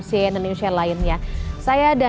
cnnc lainnya saya dan